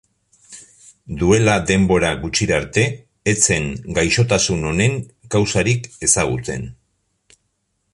Duela denbora gutxira arte, ez zen gaixotasun honen kausarik ezagutzen.